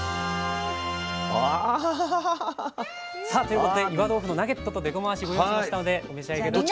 さあということで岩豆腐のナゲットとでこまわしご用意しましたのでお召し上がり下さい。